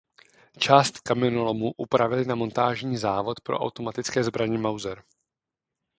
Část kamenolomu upravili na montážní závod pro automatické zbraně Mauser.